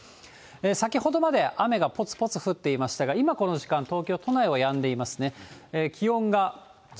先ほどまで雨がぽつぽつ降っていましたが、今、この時間、東京都内はやんでいますね。